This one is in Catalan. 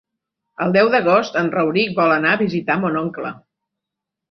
El deu d'agost en Rauric vol anar a visitar mon oncle.